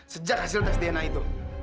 sejak hasil tes dna itu